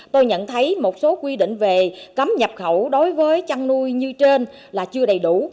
tôi nhận thấy một số quy định về cấm nhập khẩu đối với chăn nuôi như trên là chưa đầy đủ